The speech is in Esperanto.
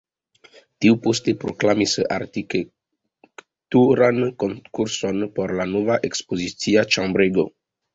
Tiu poste proklamis arkitekturan konkurson por la nova ekspozicia ĉambrego.